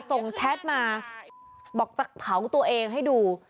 แชทมาบอกจะเผาตัวเองให้ดู